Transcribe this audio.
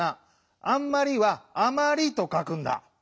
「あんまり」は「あまり」とかくんだ。